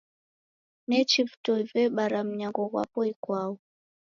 Nechi vitoi vebara mnyango ghwapo ikwau.